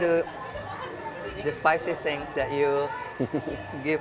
hal hal pedas yang anda berikan